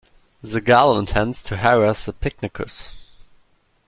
The gull intends to harass the picnickers.